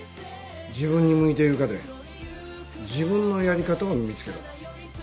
自分に向いている科で自分のやり方を見つけろ。